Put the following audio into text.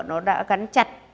nó đã gắn chặt